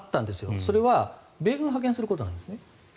それは米軍を派遣することなんですね。